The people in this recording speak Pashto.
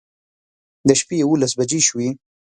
د شپې يوولس بجې شوې